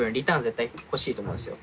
絶対欲しいと思うんですよ。